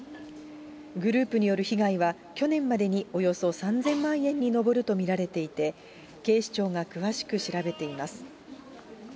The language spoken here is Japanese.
グループによる被害は、去年までにおよそ３０００万円に上ると見られていて、警視庁が詳しく調べています。